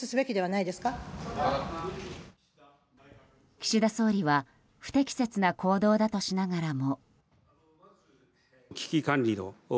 岸田総理は不適切な行動だとしながらも。